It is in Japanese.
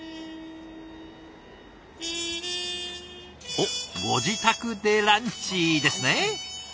おっご自宅でランチですね。